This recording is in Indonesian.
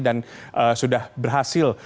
dan sudah berhasil